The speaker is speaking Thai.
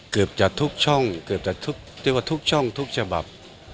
เกือบที่ทุกช่องทุกฉบับ